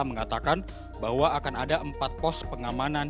mengatakan bahwa akan ada empat pos pengamanan